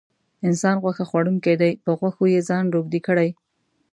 انسان غوښه خوړونکی دی په غوښو یې ځان روږدی کړی.